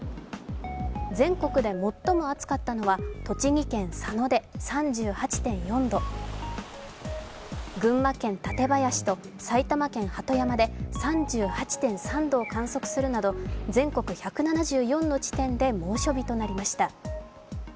全国で最も暑かったのは栃木県佐野で３８．４度、群馬県館林と埼玉県鳩山で３８．３度を観測するなど全国１７４の地点で猛暑日となりました。